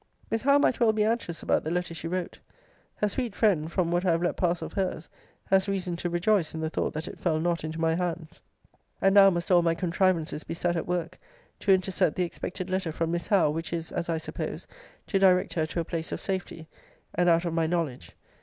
Miss Howe might well be anxious about the letter she wrote. Her sweet friend, from what I have let pass of her's, has reason to rejoice in the thought that it fell not into my hands. And now must all my contrivances be set at work, to intercept the expected letter from Miss Howe: which is, as I suppose, to direct her to a place of safety, and out of my knowledge.